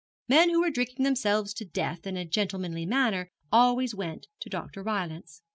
Men who were drinking themselves to death in a gentlemanly manner always went to Dr. Rylance.